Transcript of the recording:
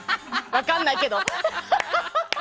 分からないけど。